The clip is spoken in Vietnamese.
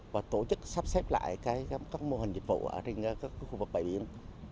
và tổ chức sắp xếp lại các mô hình dịch vụ ở trên các khu vực bãi biển